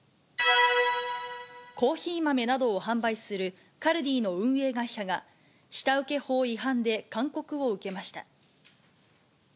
コーヒー豆などを販売するカルディの運営会社が、下請法違反で勧告を受けました。